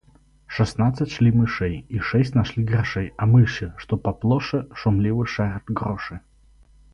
Шестнадцать шли мышей и шесть нашли грошей, а мыши, что поплоше, шумливо шарят гроши.